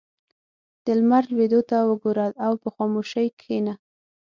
• د لمر لوېدو ته وګوره او په خاموشۍ کښېنه.